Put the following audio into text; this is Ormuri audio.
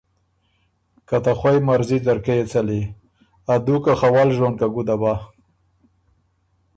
که ته خوئ مرضی ځرکۀ يې څلی، ا دُوکه خه ول ژون که ګُده بَۀ،